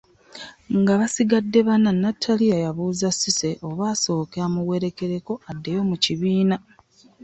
Nga basigadde bana Nnattaliya yabuuza Cissy oba asooke amuwerekereko addeyo mu kibiina?